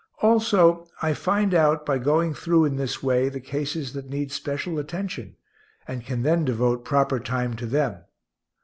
Also I find out, by going through in this way, the cases that need special attention, and can then devote proper time to them.